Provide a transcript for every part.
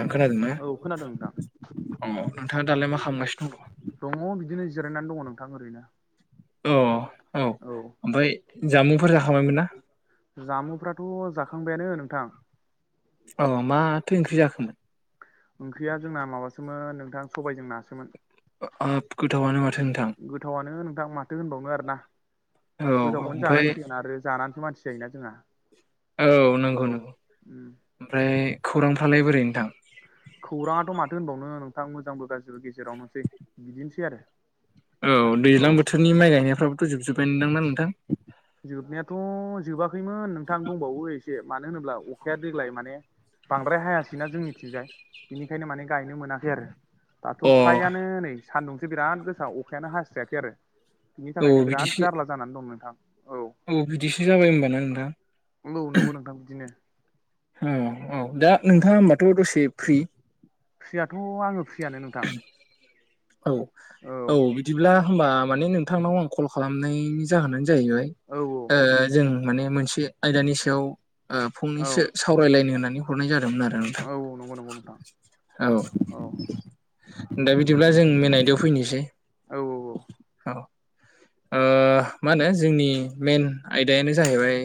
आ खोनादोंना औ खोनादों नोंथां अ नोंथाङा दालाय मा खालामगासिनो दङ? दङ बिदिनो जिरायनानै दङ नोंथां ओरैनो। अ औ औ ओमफ्राय जामुंफोर जाखाबायमोन ना? जामुफ्राथ' जाखांबायानो नोंथां। औ माथो ओंख्रि जाखोमोन? ओंख्रिया जोंना माबासोमोन नोंथां सबायजों नासोमोन। ओब गोथावनो माथो नोंथां। गोथावआनो नोंथां माथो होनबावनो आर ना औ गोथावखौनो ओमफ्राय जानांसिगोन आरो जानानैसो मानसि जायोना जोंहा औ नंगौ औ नंगौ ओम। ओमफ्राय खौरांफ्रालाय बोरै नोंथां? खौराङाथ' माथो होनबावनो नोंथां मोजांबो गाज्रिबो गेजेरावनोसै बिदिनोसै आरो। औ दैज्लां औ बोथोरनि माइ गायनायफ्राबोथ' जोबजोब्बायानो दां ना नोंथां? जोबनायाथ' जोबाखैमोन नोंथां दंबावो एसे। मानो होनोब्ला अखाया देग्लाय माने बांद्राय हायासैना जोंनिथिंजाय बिनिखायनो माने गायनो मोनाखै आरो। दाथ' अ फ्रायानो नै सान्दुंसो बिराद गोसा अखायानो हास्रोआखै आरो। बिनि औ थाखायनो बिराद बिदिसो जारला जानानै दं नोंथां। औ बिदिसो जाबाय होमबा ना नोंथां। नंगौ नंगौ नोंथां बिदिनो। औ औ दा नोंथाङा होमबाथ' दसे फ्रि। फ्रियाथ' आङो फ्रियानो नोंथां। औ औ। बिदिब्ला होमबा माने नोंथांनाव आं कल खालामनायनि जाहोनानो जाहैबाय औ ओ जों माने मोनसे आयदानि सायाव ओ औ फंनैसो सावरायलायनो होननानै हरनाय जादोंमोन आरो नोंथां। औ औ नंगौ नंगौ नोंथां औ। दा बिदिब्ला जों मेन आयदाव फैनोसै। औ औ औ ओ औ मा होनो जोंनि मेन आयदायानो जाहैबाय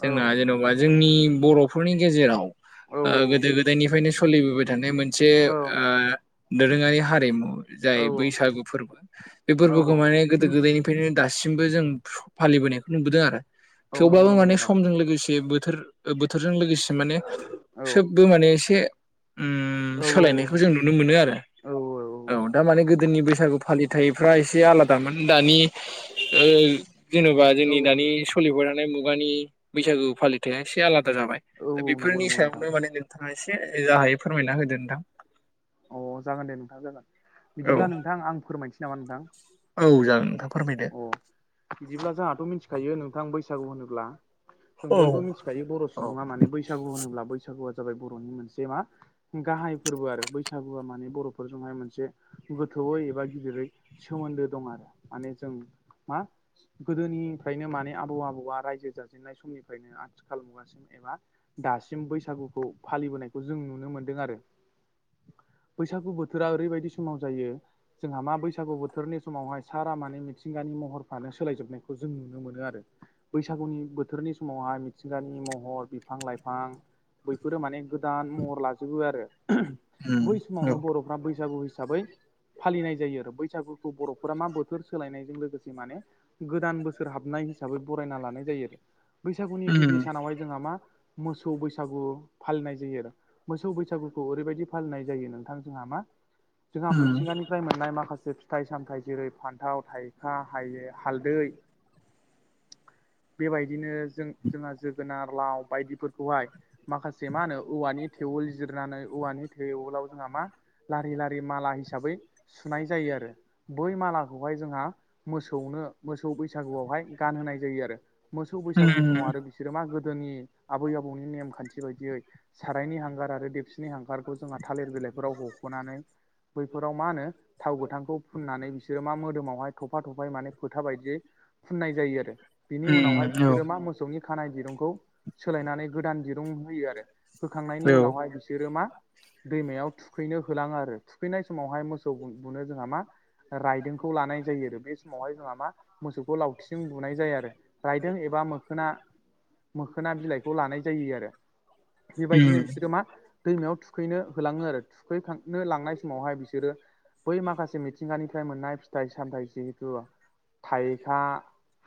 औ जोंना जेन'बा जोंनि बर'फोरनि गेजेराव औ ओ गोदो गोदायनिफ्रायनो सोलिबोबाय थानाय मोनसे ओ दोरोङारि हारिमु जाय औ बैसागु फोरबो, बे औ फोरबोखौ माने गोदो गोदायनि फ्रायानो दासिमबो जों फालिबोनायखौ नुबोदों आरो औ नंगौ थेवब्लाबो नंगौ माने नोंथां समजों लोगोसे बोथोर बोथोरजों लोगोसे माने औ सोबबो माने एसे उम औ सोलायनायखौ जों नुनो मोनो आरो। औ औ औ दामाने गोदोनि बैसागु फालिथायाइफ्रा एसे आलादा माने दानि ओ जेन'बा औ जोंनि दानि सोलिबाय थानाय थानाय मुगानि बैसागु फालिथाया एसे आलादा जाबाय दा औ नंगौ बेफोरनि नंगौ नोंथां सायावनो माने ओ एसे जाहायो फोरमायना होदो नोंथां। अ जागोन दे नोंथां जागोन। औ बिदिब्ला नोंथां आं फोरमायसै नामा नोंथां? औ जागोन नोंथां फोरमायदो। औ बिदिब्ला जोंहाथ' मिथिखायो नोंथां बैसागु होनोब्ला जों औ बयबो मिथि खायो बर' औ सुबुङा माने बैसागु होनोब्ला बैसागुआ जाबाय बर'नि मोनसे मा गाहाय फोरबो आरो बैसागुआ माने बर'फोरजोंहाय मोनसे गोथौवयै एबा गिदिरै सोमोन्दो दं आरो माने जों मा गोदोनिफ्रायनो माने आबौ आबौआ रायजो जाजेननाय समनिफ्रायनो आथिखालाव नुगासिनो एबा दासिम बैसागुखौ फालिबोनायखौ जों नुनो मोन्दों आरो। बैसागु बोथोरा ओरैबायदि समाव जायो जोंहा मा बैसागु बोथोरनि समावहाय सारा मानि मिथि मिथिंगानि महरफ्रानो सोलायजोबनायखौ जों नुनो मोनो आरो। बैसागुनि बोथोरनि समावहाय मिथिंगानि महर बिफां लाइफां बैफोरो माने गोदान महर लाजोबो आरो। उम बै समावनो औ बर' बैसागु हिसाबै फालिनाय जायो आरो। बैसागुखौ बर'फोरा मा बोथोर सोलायनाय जों लोगोसे माने गोदान बोसोर हाबनाय हिसाबै बरायना लानाय जायो आरो। बैसागुनि उम गिबि सानावहाय जोंहा मा मोसौ बैसागु फालिनाय जायो आरो। मोसौ बैसागुखौ ओरैबायादि फालिनाय जायो नोंथां जोंहा मा जोंहा उम मिथिंगानिफ्राय मोननाय माखासे फिथाइ सामथायाइ जेरै फान्थाव थाइ खा हायो हालदै [inaudible] बेबायदिनो जों जोंहा जोगोनार लाव बायदिफोरखौहाय माखासे मा होनो औवानि थेवोल जिरनानै औवानि थेवोलाव जोंहा मा लारि लारि माला हिसाबै सुनाय जायो आरो बै मालाखौहाय जोहा मोसौनो मोसौ बैसागुआवहाय गानहोनाय जायो आरो। मोसौ उम बैसागुनि समाव आरो बिसोर मा गोदोनि आबै आबौनि नेमखान्थि बायदियै सारायनि हांगार आरो देपसिनि हांगारखौ जोंहा थालिर बिलाइफोराव हख'नानै बैफोराव मा होनो थाव गोथांखौ फुननानै बिसोरो मा मोदोमावहाय थफा थफायै माने फोथा बायदियै फुननाय जायो आरो बिनि उम उनावहाय औ बिसोरो मा मोसौनि खानाय दिरुंखौ सोलायनानै गोदान दिरुं होयो आरो होखांनायनि उनावहाय बिसोरो मा दैमायाव थुखैनो होलाङो आरो थुखैनाय समावहाय मोसौ सौखौ बुनो जोंहा मा रायदोंखौ लानाय जायो आरो बे समावहाय जोंहा मा मोसौखौ लावथिंजों बुनाय जाया आरो रायदों एबा मोखोना मोखोना बिलाइखौ लानाय जायो आरो उम बेबायदिनो बिसोरो मा दैमायाव थुखैनो होलाङो आरो थुखैखांनो लांनाय समावहाय बिसोरो बै माखासे मिथिंगानिफ्राय मोननाय फिथाइ सामथाइ जिहेथु थाइखा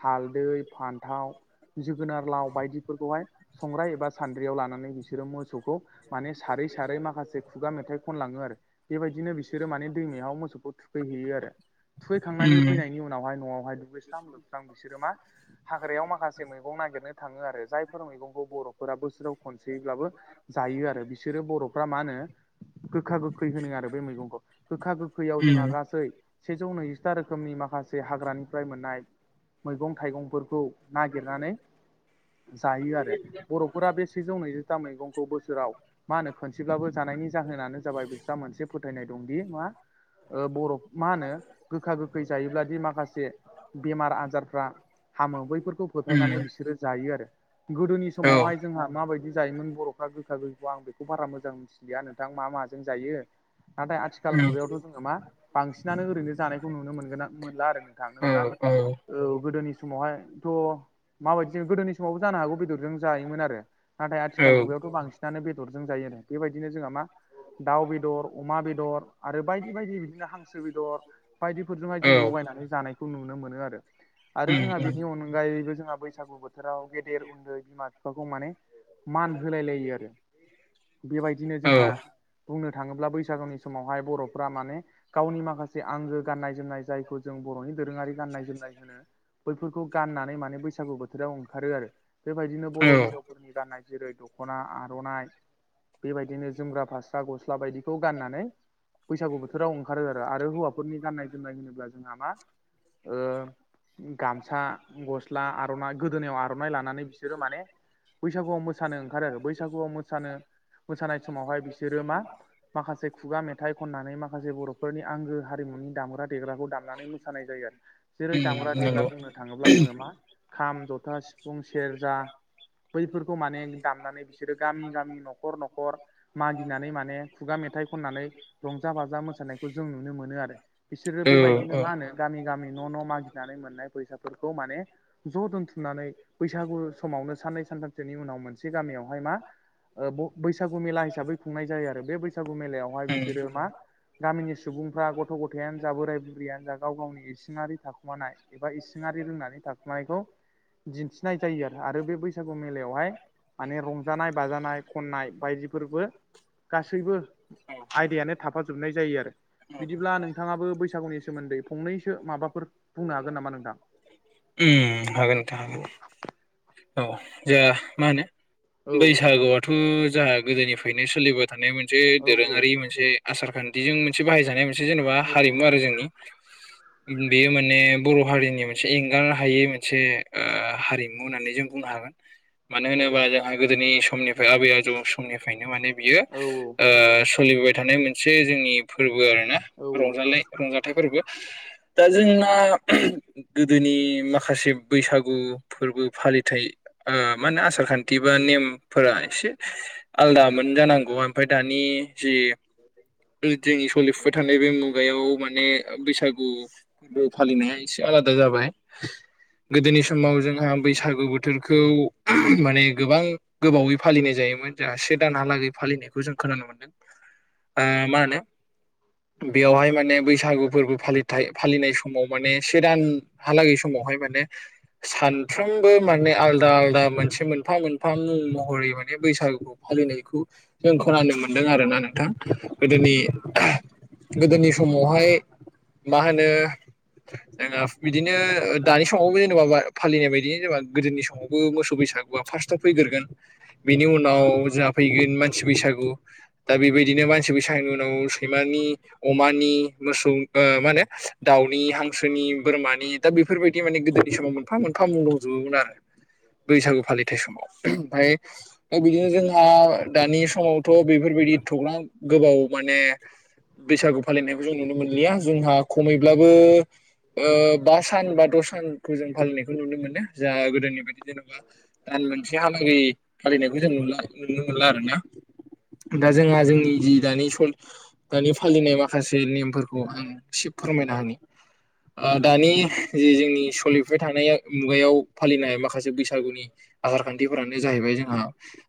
हालदै फान्थाव जोगोनार लाव बायदिफोरखौहाय संग्राइ एबा सान्द्रियाव लानानै बिसोरो मोसौखौ माने सारै सारै माखासे खुगा मेथाइ खनलाङो आरो। बेबायदिनो बिसोरो माने दैमायाव मोसौखौ थुखैहैयो आरो। थुखैखांनानै उम फैनायनि उनावहाय न'आवहाय दुगैस्रां लोबस्रां बिसोरो मा हाग्रायाव माखासे मैगं नागिरनो थाङो आरो जायफोर मैगंखौ बर'फोरा बोसोराव खनसेब्लाबो जायो आरो बिसोरो बर'फ्रा मा होनो गोखा गोखै होनो आरो बे मैगंखौ गोखा गोै खैयाव उम जोंहा गासै जौ नैजिथा रोखोमनि माखासे हाग्रानिफ्राय मोननाय मैगं थाइगंफोरखौ नागिरनानै जायो आरो बर'फोरा बे सेजौ नैज था मैगंखौ बोसोराव मा होनो खनसेब्लाबो जानायनि जाहोनानो जाबाय बिस्रा मोनसे फोथायनाय दंदि मा ओ बर'खौ मा होनो गोखा गोखै जायोब्लादि माखासे बेमार आजारफ्रा हामो बैफोरखौ फोथायनानै उम बिसोरो जायो आरो। गोदोनि औ समावहाय जोंहा माबायदि जायोमोन बर'फ्रा गोखा गोैखौ आं बेखौ बारा मोजां नोंथां मा माजों जायो नाथाय आथिखाल उम मुगायावथ' जोङो मा बांसिनानो ओरैनो जानायखौ नुनो मोनगोन मोनला आरो नोंथां औ नगौना? औ औ गोदोनि समावहायथ' माबायदि गोदोनि समावबो जानो हागौ बेदरजों जायोमोन आरो। नाथाय आथिखाल औ मुगायावथ' बांसिन नो बेदरजों जायो आरो। बेबायदिनो जोंहा मा दाउ बेदर अमा बेदर आरो बायदि बायदि बिदिनो हांसो बेदर बाय औ जायनानै जानाय नुनो मोनो आरो उम जोंहा उम बेनि अनगायै अनगायैबो जोंहा बैसागु बोथोराव गेदेर उन्दै बिमा बिफाखौ माने मान होलाय लायो आरो। बेबायदिनो औ जोंहा औ बुंनो थाङोब्ला बैसागुनि समावहाय बर'फ्रा माने गावनि माखासे आंगो गाननाय जोमनाय जायखौ जों बर'नि दोरोङारि गाननाय जोमनाय होनो। बैफोरखौ गाननानै माने बैसागु बोथोराव ओंखारो आरो। बेबायदिनो बर' हिन्जावफोरा नि गाननाय जेरै दखना आर'नाइ बेबायदिनो जोमग्रा फारस गस्ला गस्ला बायदिखौ गाननानै बैसागु बोथोराव ओंखारो आरो आरो हौवा खरफोरनि गाननाय जोमनाय होनोब्ला जोंहा मा ओ गामसा गस्ला आर'नाइ गोदोनायाव आर'नाइ लानानै बिसोरो माने बैसागुआव मोसानो ओंखारो आरो बैसागुआव मोसानो मोसानाय समावहाय बिसोरो मा माखासे खुगा मेथाइ खननानै माखासे बर'फोरनि आंगो हारि मुनि दामग्रा देग्राखौ दामनानै मोसानाय जायो आरो। जेरै उम दामग्रा देग्रा नंगौ बुंनो थाङोब्ला जोङो मा खाम, जथा, सिफुं, सेरजा बैफोरखौ माने दामनानै बिसोरो गामि गामि न'खर न'खर मागिनानै माने खुगा मेथाइ खननानै रंजा बाजा मोसानायखौ जों नुनो मोनो आ बिसोरो औ बेबायदिनो मा होनो गामि गामि न' न' मागिनानै मोननाय फैसाफोरखौ माने ज' दोनथुमनानै बैसागु समावनो साननै सानथामसोनि उनाव मोनसे गामियावहाय मा ओ ब-बैसागु मेला हिसाबै खुंनाय जायो आरो बे बैसागु मेलायावहाय उम बिसोरो मा गामिनि सुबुंफ्रा गथ' गथायानो जा बोराय बुरैयानो जा गाव गावनि इसिङारि थाखुमानाय एबा इसिङारि रोंनानै थाखानायखौ दिन्थिनाय जायो आरो आरो बे बैसागु मेलायावहाय माने रंजानाय बाजानाय खननाय बायदिफोरबो गासैबो आयदायानो थाफाजोबनाय जायो आरो बिदिब्ला नोंथाङाबो बैसागुनि सोमोन्दै फंनैसो माबाफोर बुंनो हागोन नामा नोंथां? उम हागोन नोंथां औ हागोन। औ जोंहा मा होनो औ बैसागुआथ' जोंहा गोदोनिफ्रायनो सोलिबो थानाय मोनसे औ दोरोङारि मोनसे आसार खान्थिजों मोनसे बाहायजानाय मोनसे जेन'बा औ हारिमु आरो जोंनि। [unintelligible] बेयो माने बर' हारिनि मोनसे एंगार हायै मोनसे ओ हारिमु होननानै जों बुंनो हागोन मानो होनोबा जोंहा गोदोनि समनिफ्राय आबै आजौ समनिफ्रायनो माने बियो औ ओ सोलिबोबाय थानाय मोनसे जोंनि फोरबो आरोना औ रंजानाय रंजाथाइ फोरबो दा जोंना गोदोनि माखासे बैसागु फोरबो फालि थाय ओ मा होनो आसार खान्थि बा नेमफोरा एसे आलदामोन जानांगौ आं ओमफ्राय दानि जि जोंनि सोलिफुबाय थानाय बे मु गायाव माने बैसागु फोरबो फालिनाया एसे आलादा जाबाय। गोदोनि समाव जोंहा बैसागु बो थोरखौ माने गोबां गोबावै फालिनाय जायोमोन जोंहा से दानहालागै फालिनायखौ जों खोनानो मोनदों ओ मा होनो बेयावहाय माने बैसागु फोरबो फालिथाय फालिनाय समाव माने से दान हालागै समावहाय माने सानफ्रोमबो माने आ आलदा आलदा मोनसे मोनफा मोनफा मुं महरै माने बैसागुखौ फालिनायखौ जों खोनानो मोन्दों आरोना नोंथां गोदोनि गोदोनि समावहाय मा होनो जोंना बिदिनो ओ दानि समावबो जेनेबा फालिनाय बायदि जेनेबा गोदोनि समावबो मोसौ बैसागुआ फार्स्टआव फैगोरगोन। बिनि उनाव जाोंहा फैगोन मानसि बैसागु दा बेबायदिनो मानसि बैसागुनि उनाव सैमानि अमानि मोसौ ओ मा होनो दाउनि हांसोनि बोरमानि दा बेफोरबायदि माने गोदोनि समाव मोनफा मोनफा मुं दंजोबोमोन आरो बैसागु फालिथाय समाव ओमफ्राय दा बिदिनो जोंहा दानि समावथ' बेफोरबायदि एथ'ग्राब गोबाव माने बैसागु फालिनायखौ जों नुनो मोनलिया जोंहा खमैब्लाबो ओ बा सान बा द' सानखौ जों फालिनायखौ नुनो मोनो जा गो दोनि बायदि जेन'बा दान मोनसे हालागि फालिनायखौ जों नुला नुनो मोनला आरोना दा जोंहा जोंनि जि दानि सम दानि फालिनाय माखासे नेमफोरखौ आं एसे फोरमायना होनि ओ दानि जे जोंनि सलिफबाय थानाय मुगायाव फालिनाय माखासे बैसागुनि आसार खान्थिफोरानो जाहैबाय जोंहा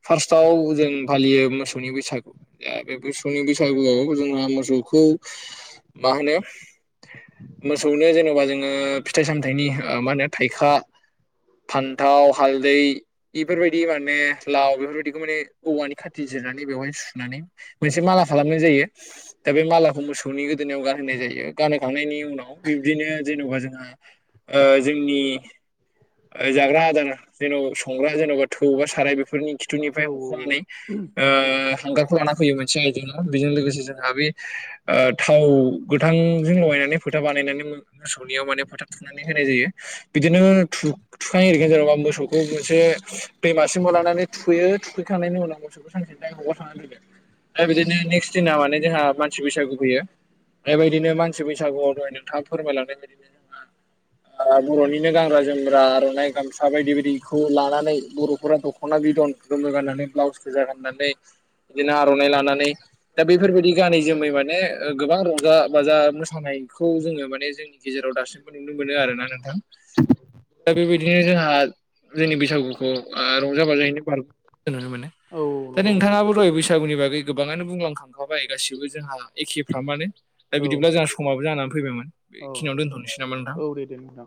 फार्स्टआव जों फालियो मोसौनि बैसागु दा आरो मोसौनि बैसागुआव जोंहा मोसौखौ मा होनो मोसौनो जेन'बा जोङो फिथाइ सामथायाइनि मा होनो थाइखा फान्थाव हालदै इफोरबायदि माने लाव बेफोरबायदिखौ माने औवानि खाथि जिरनानै बेवहाय सुनानै मोनसे माला खालामनाय जायो दा बे मालाखौ मोसौनि गो दोनायाव गानहोनाय जायो गानहोखांनायनि उनाव बिब्दिनो जेन'बा जोंहा ओ जोंनि ओ जाग्रा आदार जेनेबा संग्रा जेन'बा थौ बा साराय बेफोरनि खि औ थुनिफ्राय हख'नानै ओ हांगारखौ लाना होयो मोनसे आय [unintelligible] ना बेजों लोगोसे जोंहा बे ओ थाव गोथां जों लगायनानै फोथा बानायनानै मोसौनियाव माने फोथा थु नै होनाय जायो बिदिनो थु थुखां इरिखां जेन'बा मोसौखौ मोनसे दैमासिम लानानै थुखैयो थुखै खांनायनि उनाव [unintelligible] आमफाय बिदिनो नेक्स्ट दिना माने जोंहा मानसि बैसागु फैयो। बेबायदिनो मानसि बैसागु आव दहाय नोंथाङा फोरमायलांनाय बायदिनो जोंहा ओ बर'निनो गानग्रा जोमग्रा आर'नाय गामसा बायदि बायदि खौ लानानै बर'फोरा दख'ना बिदन गोमो गाननानै ब्लाउस गोजा गाननानै बिदिनो आर'नाइ लानानै दा बेफोरबायदि गानै जोमै माने ओ गोबां रंजा बाजा मोसानाय खौ जोङो माने जों गेजेराव दासिमबो नुनो मोनो आरोना नोंथां। दा बेबायदिनो जोंहा जोंनि बैसागुखौ आ रंजा बाजायैनो बार होनो मोनो। औ दा नंगौ नंगौ नोंथाङाबो दहाय बैसागुनि बागै गोबांङानो बुंलां खांखाबाय गासिबो जोंहा एखे फ्रामानो दा औ बिदिब्ला जोंहा समाबो जानानै फैबायमोन बेखिनियाव दोनथ'नोसै नामा नोंथां? फैदों नोंथां।